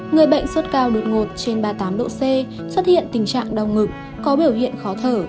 người bệnh sốt cao đột ngột trên ba mươi tám độ c xuất hiện tình trạng đau ngực có biểu hiện khó thở